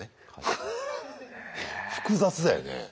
複雑だよね。